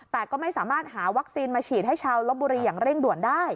แต่ก็ไม่สามารถหาวัคซีนมาฉีดให้ชาวลบบุรีอย่างเร่งด่วนได้